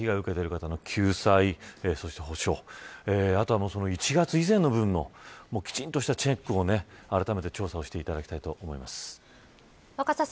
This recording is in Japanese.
まずは、今回被害を受けている方の救済そして補償あとは１月以前の部分のきちんとしたチェックをあらためて調査していただきたいと思います。